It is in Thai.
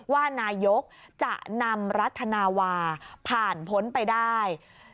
ว่านายกจะนำรัฐนาวาผ่านพ้นไปได้